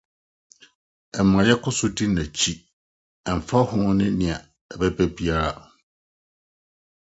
Ɛma yɛkɔ so di n’akyi, ɛmfa ho nea ɛbɛba biara.